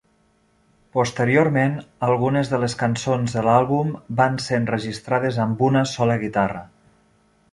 Posteriorment, algunes de les cançons de l'àlbum van ser enregistrades amb una sola guitarra.